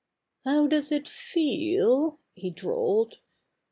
"How does it feel?" he drawled.